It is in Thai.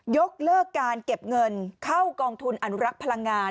ยกเลิกการเก็บเงินเข้ากองทุนอนุรักษ์พลังงาน